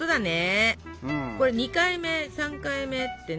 これ２回目３回目ってね